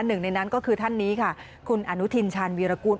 หนึ่งในนั้นก็คือท่านนี้ค่ะคุณอนุทินชาญวีรกูล